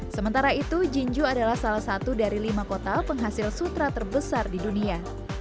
sementara itu jinju adalah salah satu dari lima kota penghasil sutra terbesar di dunia